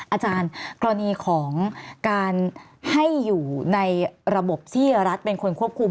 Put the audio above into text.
อาจารย์กรณีของการให้อยู่ในระบบที่รัฐเป็นคนควบคุม